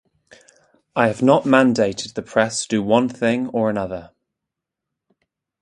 I have not mandated the press do one thing or another...